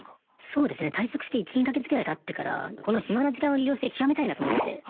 そうですね退職して１２か月ぐらいたってからこの暇な時間を利用して極めたいなと思って。